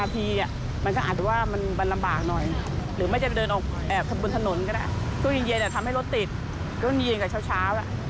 ต้องเย็นกันเช้า